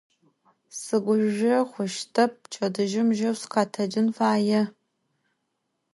Sıguzjo xhuştep, pçedıjım jeu sıkhetecın faê.